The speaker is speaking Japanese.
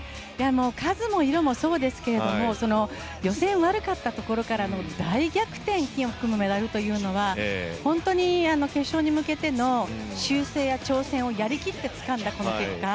数も色もそうですけども予選、悪かったところからの大逆転でのメダルというのは本当に決勝に向けての修正や調整をやり切ってつかんだこの結果。